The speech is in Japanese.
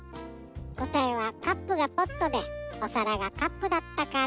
こたえはカップがポットでおさらがカップだったから。